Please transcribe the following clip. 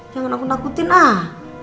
jangan aku takutin ah